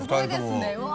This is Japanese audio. すごいですねうわ！